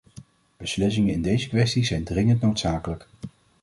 Beslissingen in deze kwestie zijn dringend noodzakelijk.